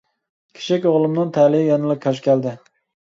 كىچىك ئوغلۇمنىڭ تەلىيى يەنىلا كاج كەلدى.